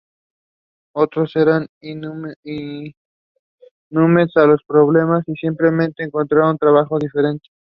Otros eran inmunes a los problemas y simplemente encontraron trabajo diferente.